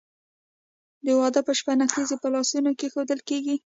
د واده په شپه نکریزې په لاسونو کیښودل کیږي.